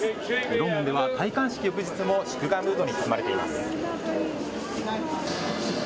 ロンドンでは戴冠式翌日も祝賀ムードに包まれています。